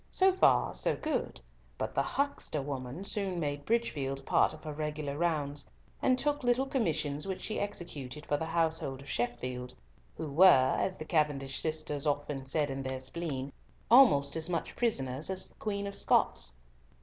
So far so good; but the huckster woman soon made Bridgefield part of her regular rounds, and took little commissions which she executed for the household of Sheffield, who were, as the Cavendish sisters often said in their spleen, almost as much prisoners as the Queen of Scots.